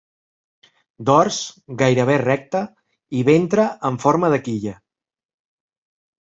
Dors gairebé recte i ventre amb forma de quilla.